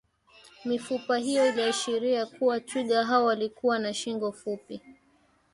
mifupa hiyo iliashiria kuwa twiga hao walikuwa na shingo fupi